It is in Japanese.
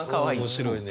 面白いね。